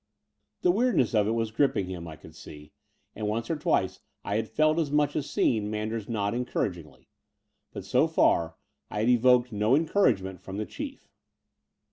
The weirdness of it was gripping him, I could see; and once or twice I had felt as much as seen Manders nod encouragingly. But so far I had evoked no encouragement from the Chief.